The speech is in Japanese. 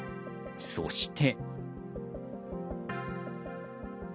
そして。